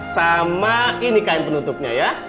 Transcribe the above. sama ini kain penutupnya ya